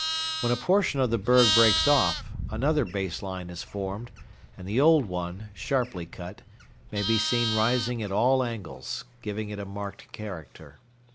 When a portion of the berg breaks off, another base line is formed, and the old one, sharply cut, may be seen rising at all angles, giving it a marked character.